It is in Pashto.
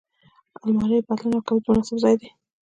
الماري د پتلون او کمیس مناسب ځای دی